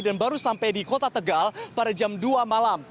dan baru sampai di kota tegal pada jam dua malam